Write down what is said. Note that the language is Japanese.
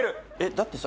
だってさ